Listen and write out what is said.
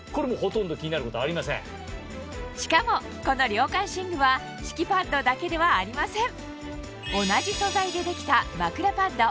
しかもこの涼感寝具は敷きパッドだけではありません